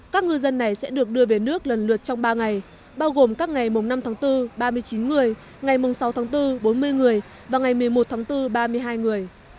các ngư dân này sẽ được đưa về nước lần lượt trong ba ngày bao gồm các ngày năm tháng bốn ba mươi chín người ngày sáu tháng bốn bốn mươi người và ngày một mươi một tháng bốn ba mươi hai người